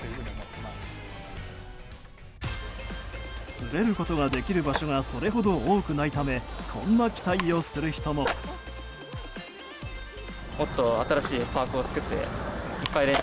滑ることができる場所がそれほど多くないためこんな期待をする人も。